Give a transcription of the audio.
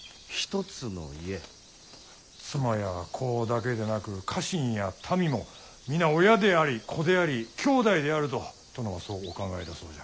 妻や子だけでなく家臣や民も皆親であり子でありきょうだいであると殿はそうお考えだそうじゃ。